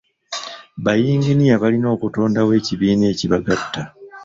Bayinginiya balina okutondawo ekibiina ekibagatta.